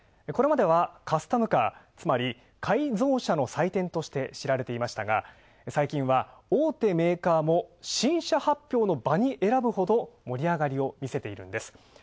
これまではカスタムカー、つまり、改造車の祭典として知られていましたが、最近は大手メーカーも新車発表の場に選ぶほど盛り上がりを見せているんです。